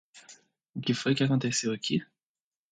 O que foi que aconteceu aqui?!